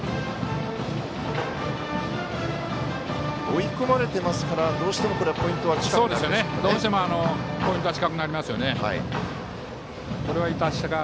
追い込まれてますからどうしてもポイントは近くなるでしょうか。